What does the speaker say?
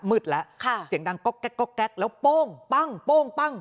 มืดแล้วเสียงดังก๊อกแก๊กแล้วโป้งปั้งโป้งปั้ง